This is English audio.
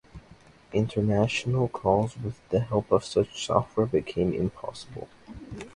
International calls with the help of such software became impossible.